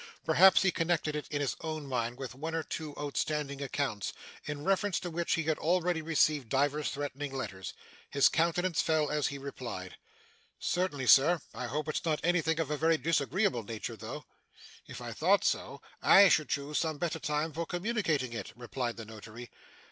Perhaps he connected it in his own mind with one or two outstanding accounts, in reference to which he had already received divers threatening letters. His countenance fell as he replied, 'Certainly, sir. I hope it's not anything of a very disagreeable nature, though?' 'If I thought it so, I should choose some better time for communicating it,' replied the Notary.